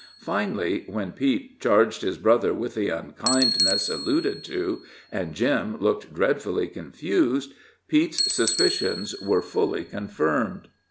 Finally, when Pete charged his brother with the unkindness alluded to, and Jim looked dreadfully confused, Pete's suspicions were fully confirmed.